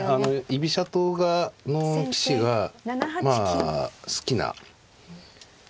居飛車党の棋士がまあ好きな。